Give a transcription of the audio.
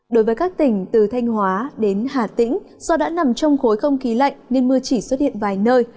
đối với các tỉnh từ thanh hóa đến hà tĩnh do đã nằm trong khối không khí lạnh nên mưa chỉ xuất hiện vài nơi